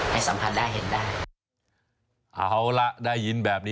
ให้สัมภัทรได้เห็นได้